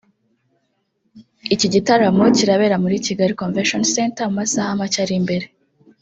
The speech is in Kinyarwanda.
Iki gitaramo kirabera muri Kigali Convention Center mu masaha macye ari imbere